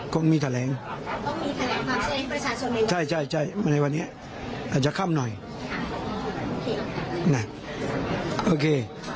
ก็มีแถลงใช่ในวันเนี้ยอาจจะค่ำหน่อยน่ะโอเค